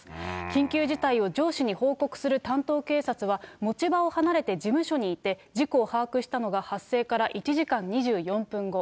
緊急事態を上司に報告する担当警察は、持ち場を離れて事務所にいて、事故を把握したのが、発生から１時間２４分後。